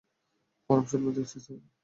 পরম, স্বপ্ন দেখছিস, তাই না?